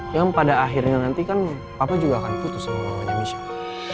yang pada akhirnya nanti kan papa juga akan putus sama mamanya michelle